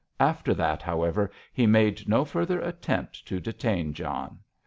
After that, however, he made no further attempt to detain John.